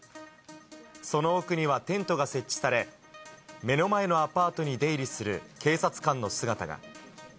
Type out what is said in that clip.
その奥にはテントが設置され、目の前のアパートに出入りする警察官の姿が。